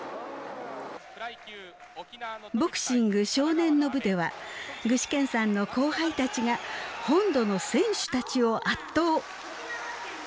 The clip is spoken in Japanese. ボクシング少年の部では具志堅さんの後輩たちが本土の選手たちを圧倒。